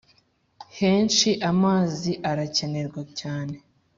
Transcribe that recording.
henshi amazi arakenerwa cyane.